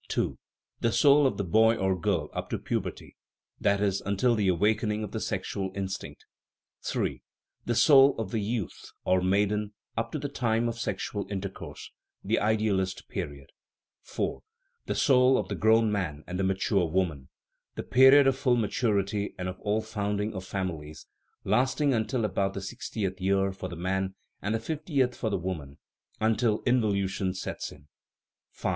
II. The soul of the boy or girl up to puberty (i.e., until the awakening of the sexual instinct). 146 THE EMBRYOLOGY OF THE SOUL III. The soul of the youth or maiden up to the time of sexual intercourse (the " idealist " period). IV. The soul of the grown man and the mature woman (the period of full maturity and of the found ing of families, lasting until about the sixtieth year for the man and the fiftieth for the woman until in volution sets in). V.